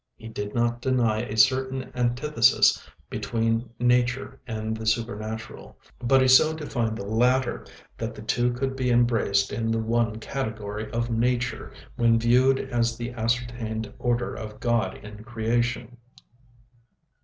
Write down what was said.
He did not deny a certain antithesis between nature and the supernatural, but he so defined the latter that the two could be embraced in the one category of nature when viewed as the ascertained order of God in creation.